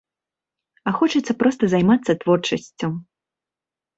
А хочацца проста займацца творчасцю.